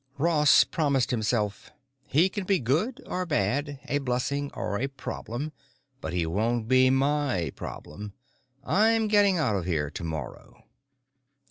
Ross promised himself: He can be good or bad, a blessing or a problem. But he won't be my problem. I'm getting out of here tomorrow!